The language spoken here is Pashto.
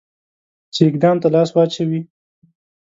چې اقدام ته لاس واچوي.